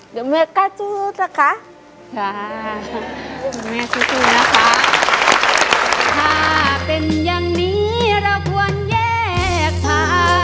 เดี๋ยวแม่กล้าจู๊ดล่ะค่ะ